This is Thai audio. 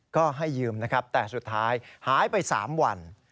ก็ให้ยืมนะครับแต่สุดท้ายหายไป๓วัน